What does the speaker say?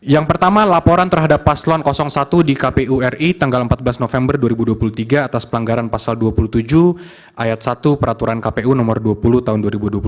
yang pertama laporan terhadap paslon satu di kpu ri tanggal empat belas november dua ribu dua puluh tiga atas pelanggaran pasal dua puluh tujuh ayat satu peraturan kpu nomor dua puluh tahun dua ribu dua puluh